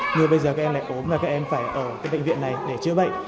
nhưng bây giờ các em lại ốm và các em phải ở bệnh viện này để chữa bệnh